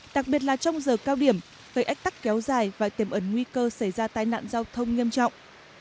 đặc biệt là trong giờ cao điểm gây ách tắc kéo dài và tiềm ẩn nguy cơ xảy ra tai nạn giao thông nghiêm trọng